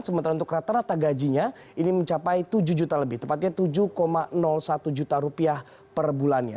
sementara untuk rata rata gajinya ini mencapai tujuh juta lebih tepatnya tujuh satu juta rupiah per bulannya